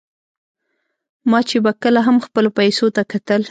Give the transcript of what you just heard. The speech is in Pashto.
ما چې به کله هم خپلو پیسو ته کتل.